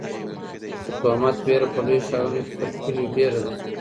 د تومت وېره په لویو ښارونو کې تر کلیو ډېره ده.